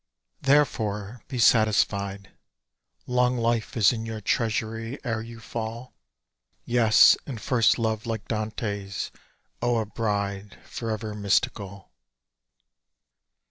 Therefore be satisfied; Long life is in your treasury ere you fall; Yes, and first love, like Dante's. O a bride For ever mystical!